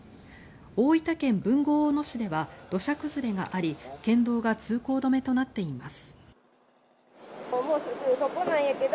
大分県豊後大野市では土砂崩れがあり県道が通行止めとなっています。